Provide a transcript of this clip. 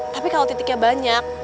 tapi kalau titiknya banyak